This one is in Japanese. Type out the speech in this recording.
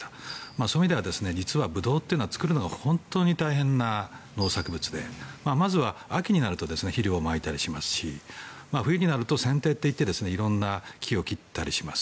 そういう意味では実はブドウは作るのが本当に大変な農作物でまずは秋になると肥料をまいたり冬になると、せん定といって色んな木を切ったりします。